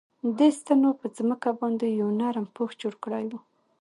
دې ستنو په ځمکه باندې یو نرم پوښ جوړ کړی و